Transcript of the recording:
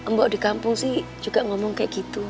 mbok di kampung sih juga ngomong kayak gitu